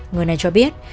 người này cho biết